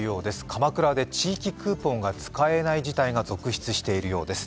鎌倉で地域クーポンが使えない事態が続出しているようです。